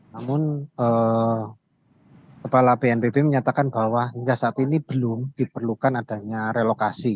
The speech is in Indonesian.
namun kepala bnpb menyatakan bahwa hingga saat ini belum diperlukan adanya relokasi